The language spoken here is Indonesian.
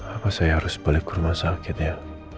apa saya harus balik ke rumah sakit ya